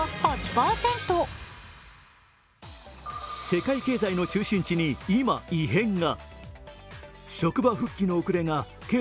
世界経済の中心地に今、異変が。